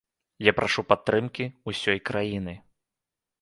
Я прашу падтрымкі ўсёй краіны.